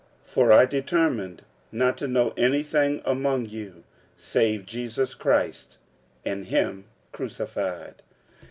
46:002:002 For I determined not to know any thing among you, save Jesus Christ, and him crucified.